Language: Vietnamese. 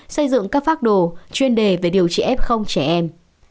xây dựng các phác đồ chuyên đề về điều trị f trẻ em